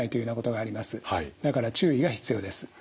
だから注意が必要です。